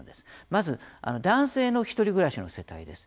まず男性の１人暮らしの世帯です。